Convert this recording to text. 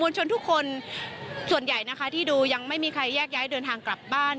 ชนทุกคนส่วนใหญ่นะคะที่ดูยังไม่มีใครแยกย้ายเดินทางกลับบ้าน